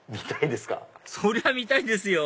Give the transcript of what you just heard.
見たいですか？